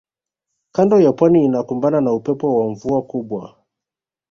kando ya pwani inakumbana na upepo wa mvua kubwa